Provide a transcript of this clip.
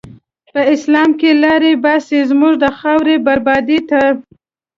په اسلام کی لاری باسی، زموږ د خاوری بربادی ته